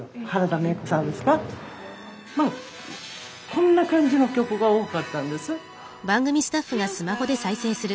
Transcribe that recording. こんな感じの曲が多かったんです。